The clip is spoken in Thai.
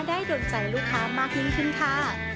โดนใจลูกค้ามากยิ่งขึ้นค่ะ